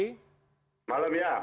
selamat malam ya